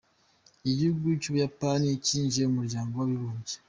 Igihugu cy’ubuyapani cyinjiye mu muryango w’abibumbye.